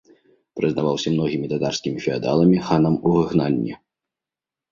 Прызнаваўся многімі татарскімі феадаламі ханам у выгнанні.